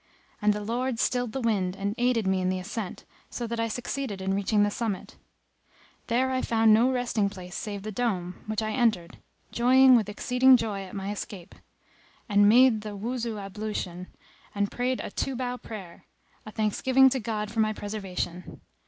And the Lord stilled the wind and aided me in the ascent, so that I succeeded in reaching the summit. There I found no resting place save the dome, which I entered, joying with exceeding joy at my escape; and made the Wuzu ablution[FN#260] and prayed a two bow prayer,[FN#261] a thanksgiving to God for my preservation.